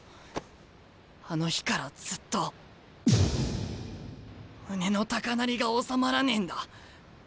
あの日からずっと胸の高鳴りが収まらねえんだ。